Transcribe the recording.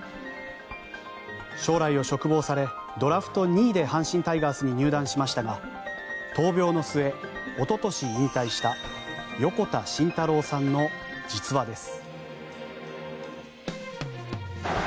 将来を嘱望され、ドラフト２位で阪神タイガースに入団しましたが闘病の末、おととし引退した横田慎太郎さんの実話です。